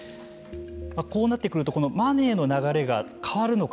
こうなってくるとマネーの流れが変わるのか。